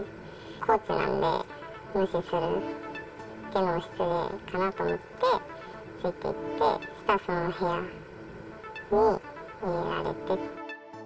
コーチなので、無視するっていうのも失礼かなと思って、ついていって、そしたらそのまま部屋に入れられて。